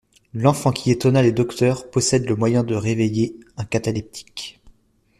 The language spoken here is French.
L'enfant qui étonna les docteurs possède le moyen de réveiller un cataleptique.